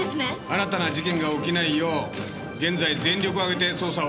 新たな事件が起きないよう現在全力を挙げて捜査を行ってます。